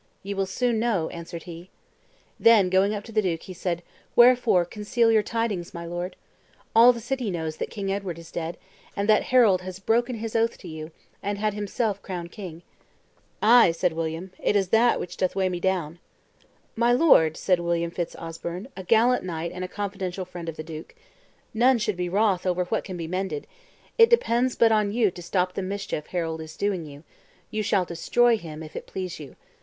"Ye will soon know," answered he. Then going up to the duke, he said, "Wherefore conceal your tidings, my lord? All the city knows that King Edward is dead; and that Harold has broken his oath to you, and had himself crowned king." "Ay," said William, "it is that which doth weigh me down." "My lord," said William Fitz Osbern, a gallant knight and confidential friend of the duke, "none should be wroth over what can be mended: it depends but on you to stop the mischief Harold is doing you; you shall destroy him, if it please you.